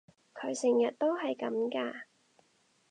佢成日都係噉㗎？